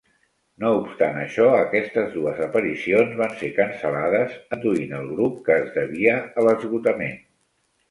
No obstant això, aquestes dues aparicions van ser cancel·lades, adduint el grup que es devia a l'esgotament.